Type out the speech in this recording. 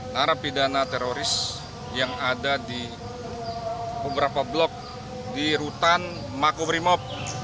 narapidana teroris yang ada di beberapa blok di rutan makobrimob